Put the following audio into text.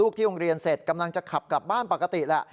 ที่โรงเรียนเสร็จกำลังจะขับกลับบ้านปกติแหละ